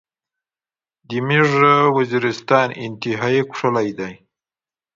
دې ميژ وزيرستان انتهایی کوشلاي داي